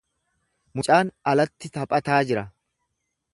Mucaan alatti taphataa jira.